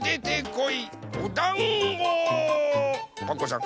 パクこさん。